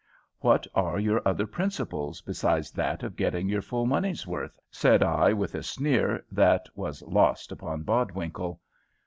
"What are your other principles besides that of getting your full money's worth?" said I, with a sneer, that was lost upon Bodwinkle.